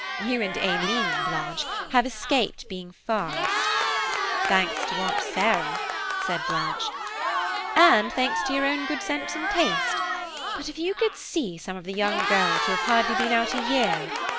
You and Aileen, Blanche, have escaped being fast –" "Thanks to Aunt Sarah," said Blanche. "And thanks to your own good sense and taste; but if you could see some of the young girls who have hardly been out a year!